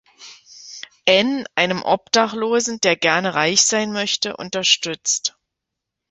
N, einem Obdachlosen, der gerne reich sein möchte, unterstützt.